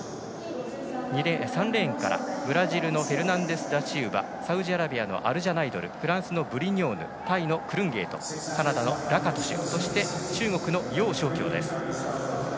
３レーンからブラジルのフェルナンデスダシウバサウジアラビアのアルジャナイドルフランスのブリニョーヌタイのクルンゲートカナダのラカトシュそして中国の楊少橋です。